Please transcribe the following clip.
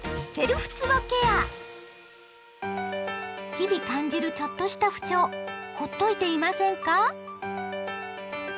日々感じるちょっとした不調ほっといていませんか？